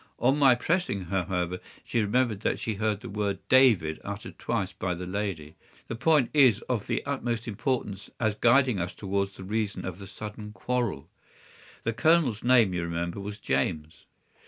On my pressing her, however, she remembered that she heard the word 'David' uttered twice by the lady. The point is of the utmost importance as guiding us towards the reason of the sudden quarrel. The Colonel's name, you remember, was James.